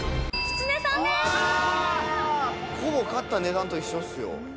ほぼ買った値段と一緒ですよ。